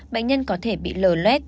bệnh nhân có thể bị lờ lết